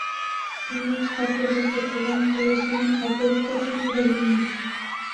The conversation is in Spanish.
Un obstáculo recurrente es un abrupto fin de línea.